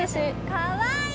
かわいい！